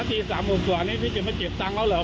ถอยออกก็เลยขับรถออกมาเลย